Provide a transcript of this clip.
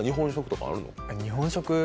日本食？